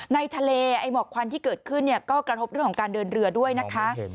ในทะเลไอ้หมอกควันที่เกิดขึ้นก็กระทบเรื่องของการเดินเรือด้วยนะคะ